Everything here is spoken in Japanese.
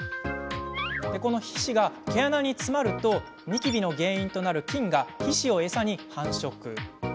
この皮脂が毛穴に詰まるとニキビの原因となる菌が皮脂を餌に繁殖。